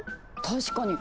確かに！